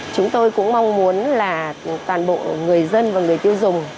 chúng tôi cũng mong muốn là toàn bộ người dân và người tiêu dùng